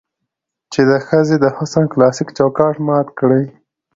چې د ښځې د حسن کلاسيک چوکاټ مات کړي